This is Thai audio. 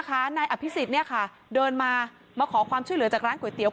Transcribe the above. ท่านนายอภิษฎิ์เนี่ยค่ะเดินมามาขอความช่วยเหลือจากร้านก๋วยเตี๋ยว